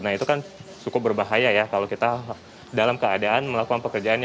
nah itu kan cukup berbahaya ya kalau kita dalam keadaan melakukan pekerjaan